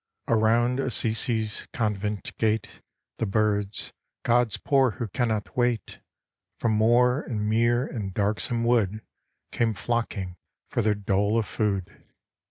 Around Assisi's convent gate The birds, God's poor who cannot wait, From moor and mere and darksome wood Came flocking for their dole of food.